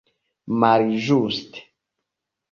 malĝuste